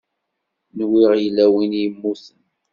Nwiɣ yella win i yemmuten.